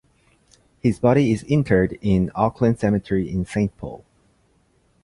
His body is interred in Oakland Cemetery in Saint Paul.